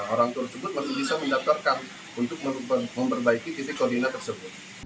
orang tersebut masih bisa mendaftarkan untuk memperbaiki titik koordinat tersebut